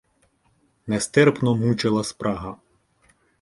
Нестерпно мучила спрага.